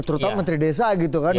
terutama menteri desa gitu kan